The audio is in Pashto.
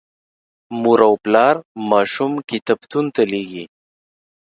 مور او پلار ماشوم کتابتون ته لیږي.